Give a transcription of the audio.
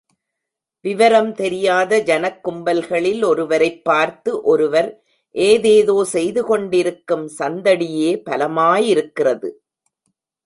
விவரம் தெரியாத ஜனக் கும்பல்களில் ஒருவரைப் பார்த்து ஒருவர் ஏதேதோ செய்துகொண்டிருக்கும் சந்தடியே பலமாயிருக்கிறது.